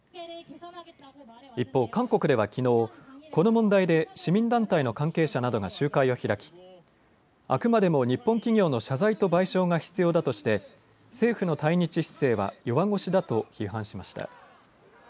一方、韓国ではきのうこの問題で市民団体の関係者などが集会を開きあくまでも日本企業の謝罪と賠償が必要だとしで政府の対日姿勢は弱腰だと批判しました。